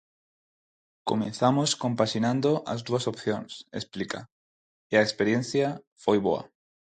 "Comezamos compaxinando as dúas opcións", explica, "e a experiencia foi boa".